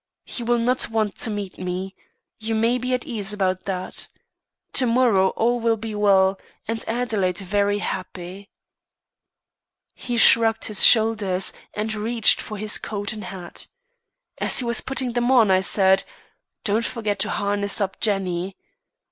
He will not want to meet me. You may be at ease about that. To morrow all will be well, and Adelaide very happy,' "He shrugged his shoulders, and reached for his coat and hat. As he was putting them on, I said, 'Don't forget to harness up Jenny.